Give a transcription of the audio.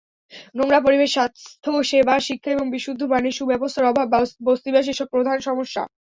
নোংরা পরিবেশ, স্বাস্থ্যসেবা, শিক্ষা এবং বিশুদ্ধ পানির সুব্যবস্থার অভাব বস্তিবাসীর প্রধান সমস্যা।